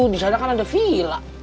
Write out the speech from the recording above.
disana kan ada villa